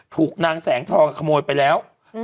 ถูกนางแสงทองอ่ะขโมยไปแล้วอืม